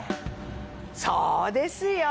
そうですよ！